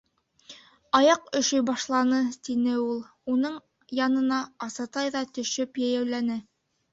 Аяҡ өшөй башланы, — тине ул. Уның янына Асатай ҙа төшөп йәйәүләне.